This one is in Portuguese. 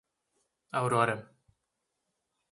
Aurora